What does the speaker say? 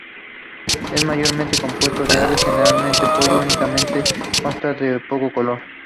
Es mayormente compuesto de aves, generalmente pollo únicamente y consta de poco color.